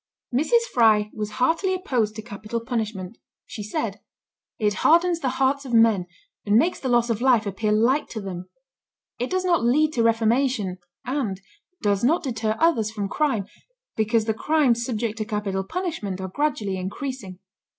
Mrs. Fry was heartily opposed to capital punishment. She said, "It hardens the hearts of men, and makes the loss of life appear light to them"; it does not lead to reformation, and "does not deter others from crime, because the crimes subject to capital punishment are gradually increasing."